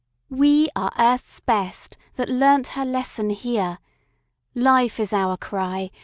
"We are Earth's best, that learnt her lesson here. Life is our cry.